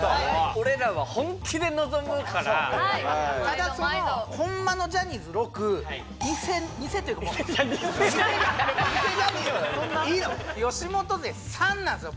俺らは本気で臨むからただそのホンマのジャニーズ６偽偽っていうかもう吉本勢３なんすよ